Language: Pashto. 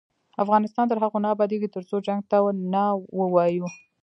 افغانستان تر هغو نه ابادیږي، ترڅو جنګ ته نه ووایو.